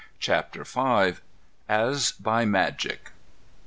CHAPTER V. AS BY MAGIC.